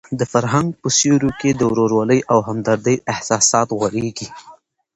د فرهنګ په سیوري کې د ورورولۍ او همدردۍ احساسات غوړېږي.